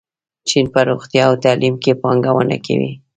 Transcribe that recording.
چین په روغتیا او تعلیم کې پانګونه کوي.